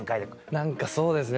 何かそうですね